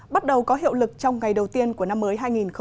bắt đầu có hiệu lực trong ngày đầu tiên của năm mới hai nghìn hai mươi